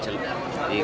di kabupaten bandung